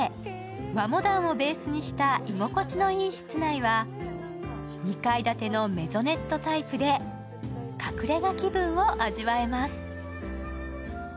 和モダンをベースにした居心地のいい室内は２階建てのメゾネットタイプで隠れ家気分を味わえます。